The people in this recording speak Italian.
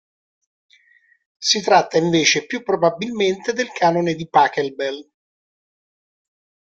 Si tratta invece più probabilmente del Canone di Pachelbel.